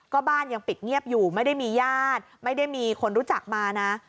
ก็บ้านยังปิดเงียบอยู่ไม่ได้มีญาติไม่ได้มีคนรู้จักมานะ